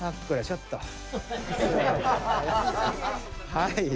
はい。